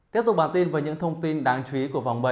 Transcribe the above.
tiếp tục bản tin với những thông tin đáng chú ý của vòng bảy